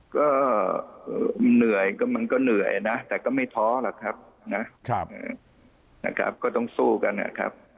ก็เหนื่อยก็มันก็เหนื่อยนะแต่ก็ไม่ท้อหรอกครับนะนะครับก็ต้องสู้กันนะครับ